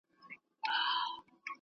کوم هیوادونه ورته مجلس لري؟